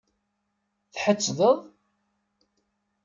Tḥettdeḍ?